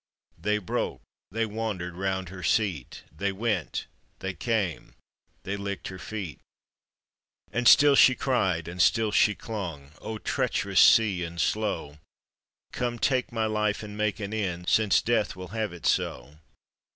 They broke, they wandered round her seat— They went, they came, they licked her feet. And still she cried and (till the clung: "O treacherous sea, and ilow. Come take my life and make an end, Since death will have it 10!